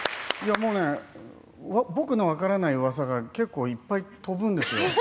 もうね僕も分からないうわさが結構、いっぱい飛ぶんですよ。